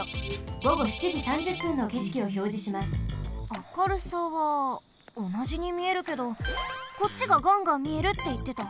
明るさはおなじにみえるけどこっちが「ガンガンみえる」っていってた。